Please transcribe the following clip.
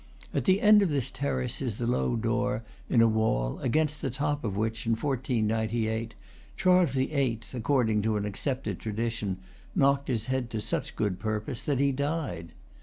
_ At the end of this terrace is the low door, in a wall, against the top of which, in 1498, Charles VIII., ac cording to an accepted tradition, knocked his head to such good purpose that he died.